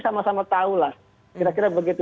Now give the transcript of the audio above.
sama sama tahulah kira kira begitu